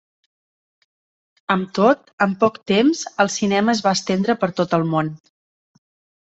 Amb tot, en poc temps, el cinema es va estendre per tot el món.